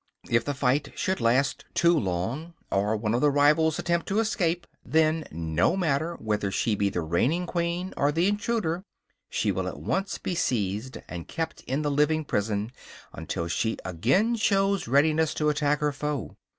If the fight should last too long, or one of the rivals attempt to escape, then, no matter whether she be the reigning queen or the intruder, she will at once be seized and kept in the living prison until she again shows readiness to attack her foe.